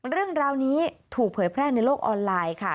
เรื่องราวนี้ถูกเผยแพร่ในโลกออนไลน์ค่ะ